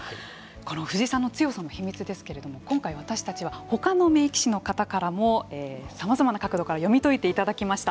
この藤井さんの強さの秘密ですけれども今回私たちはほかの名棋士の方からもさまざまな角度から読み解いていただきました。